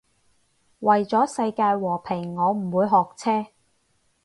為咗世界和平我唔會學車